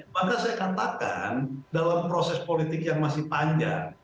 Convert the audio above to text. maka saya katakan dalam proses politik yang masih panjang